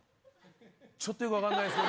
ちょっとよく分かんないですけど。